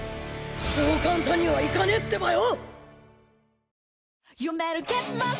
そう簡単にはいかねえってばよ！